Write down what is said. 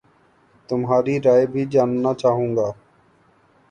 تمہاری رائے بھی جاننا چاہوں گا